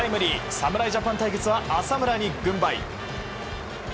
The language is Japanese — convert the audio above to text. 侍ジャパン対決は浅村に軍配。